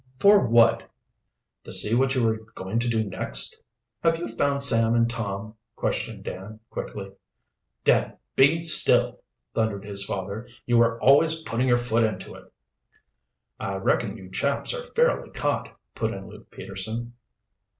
"For what?" "To see what you were going to do next?" "Have you found Sam and Tom?" questioned Dan quickly. "Dan, be still!" thundered his father. "You are always putting your foot into it." "I reckon you chaps are fairly caught," put in Luke Peterson.